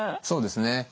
そうですね